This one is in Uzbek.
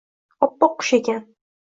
oppoq qush ekan